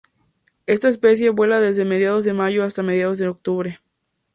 Esta especie vuela desde mediados de mayo hasta mediados de octubre.